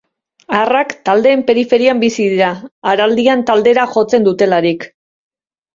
Arrak taldeen periferian bizi dira, araldian taldera jotzen dutelarik.